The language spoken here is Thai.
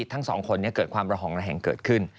ทั้งสองคนนี้เกิดความระห่องระแหงเกิดขึ้น